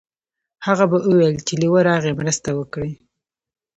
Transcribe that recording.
هغه به ویل چې لیوه راغی مرسته وکړئ.